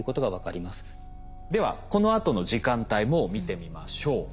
ではこのあとの時間帯も見てみましょう。